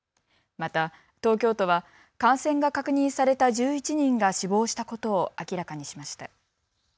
また東京都は感染が確認された１１人が死亡したことを明らかにしました。